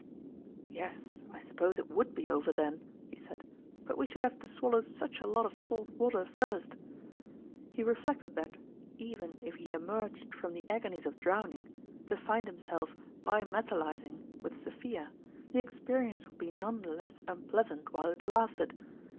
" Yes, I suppose it would be over then "; he said ;" but we should have to swallow such a lot of salt water first !" He reflected that, even if he emerged from the agonies of drowning, to find himself bi metalizing with Sophia, the experience would be none the less unpleasant w r hile it lasted.